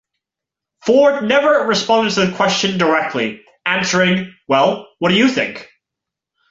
Ford never responded to the question directly, answering "Well, what do you think?".